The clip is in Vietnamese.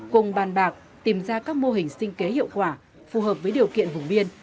cùng bàn bạc tìm ra các mô hình sinh kế hiệu quả phù hợp với điều kiện vùng biên